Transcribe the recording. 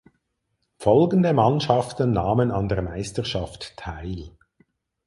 Folgende Mannschaften nahmen an der Meisterschaft teil.